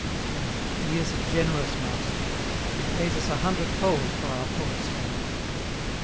Ah ! He is a generous Master ; he pays us a hundred fold for our poor sorrows."